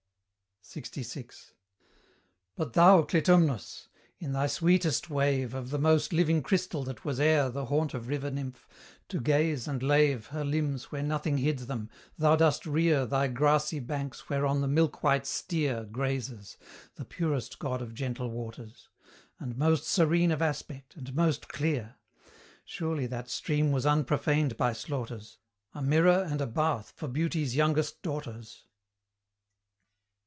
LXVI. But thou, Clitumnus! in thy sweetest wave Of the most living crystal that was e'er The haunt of river nymph, to gaze and lave Her limbs where nothing hid them, thou dost rear Thy grassy banks whereon the milk white steer Grazes; the purest god of gentle waters! And most serene of aspect, and most clear: Surely that stream was unprofaned by slaughters, A mirror and a bath for Beauty's youngest daughters!